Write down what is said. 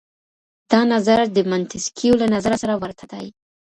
دا نظر د منتسکيو له نظره سره ورته دی.